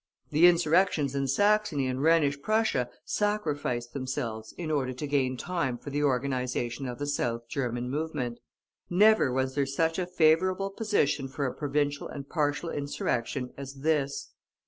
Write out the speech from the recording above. The insurrections in Saxony and Rhenish Prussia sacrificed themselves in order to gain time for the organization of the South German movement. Never was there such a favorable position for a provincial and partial insurrection as this.